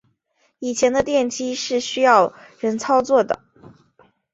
以前的电梯是需要人操作的。